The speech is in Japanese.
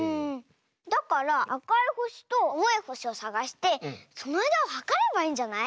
だからあかいほしとあおいほしをさがしてそのあいだをはかればいいんじゃない？